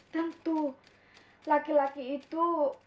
tentu laki laki itu